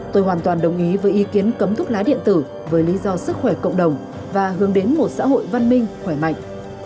tôi hoàn toàn đồng ý với ý kiến cấm thuốc lá điện tử với lý do sức khỏe cộng đồng và hướng đến một xã hội văn minh khỏe mạnh